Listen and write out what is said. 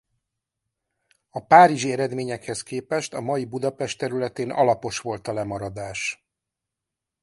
A párizsi eredményekhez képest a mai Budapest területén alapos volt a lemaradás.